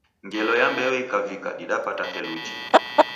Ngelo ya mbeo ikavika, didapata theluji.